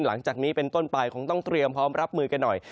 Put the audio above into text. หลังจากนี้เป็นต้นไปคงต้องเตรียมพร้อมรับมือกันหน่อย